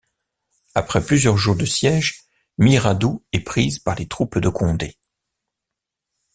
Après plusieurs jours de siège, Miradoux est prise par les troupes de Condé.